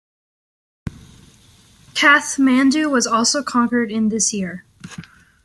Kathmandu was also conquered in this year.